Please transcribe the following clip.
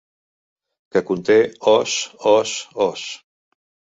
Que conté Os, Os, Os.